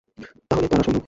তাহলে তার আসল নাম?